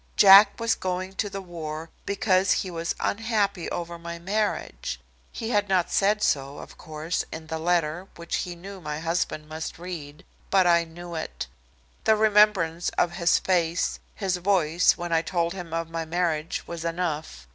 Jack was going to the war because he was unhappy over my marriage. He had not said so, of course, in the letter which he knew my husband must read, but I knew it. The remembrance of his face, his voice, when I told him of my marriage was enough.